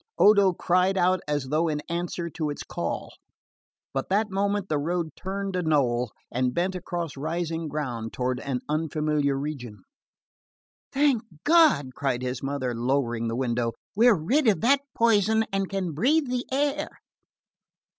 Odo cried out as though in answer to its call; but that moment the road turned a knoll and bent across rising ground toward an unfamiliar region. "Thank God!" cried his mother, lowering the window, "we're rid of that poison and can breath the air."